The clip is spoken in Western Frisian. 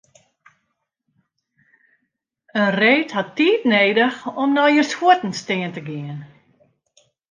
In reed hat tiid nedich om nei jins fuotten stean te gean.